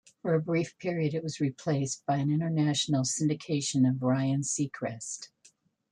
For a brief period it was replaced by an international syndication of Ryan Seacrest.